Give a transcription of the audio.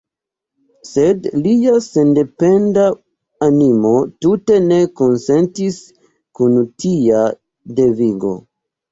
Sed lia sendependa animo tute ne konsentis kun tia devigo.